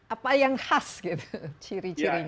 apa yang khas gitu ciri cirinya